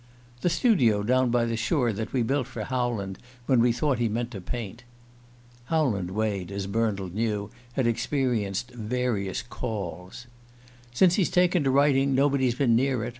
"The studio down by the shore that we built for Howland when he thought he meant to paint." (Howland Wade, as Bernald knew, had experienced various "calls.") "Since he's taken to writing nobody's been near it.